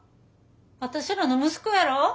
私らの息子やろ？